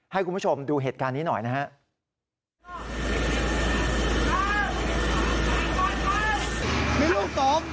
ให้คุณผู้ชมดูเหตุการณ์นี้หน่อยนะครับ